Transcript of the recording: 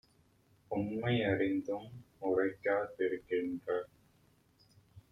உண்மை யறிந்தும் உரைக்கா திருக்கின்ற